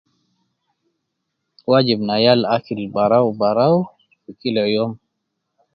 Wajib na yal akili barau barau kila youm